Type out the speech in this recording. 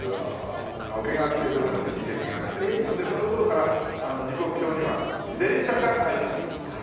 桶川っていう所に親戚があってその頃から時刻表には電車が描いてあるんですよ。